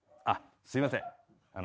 あっすいません。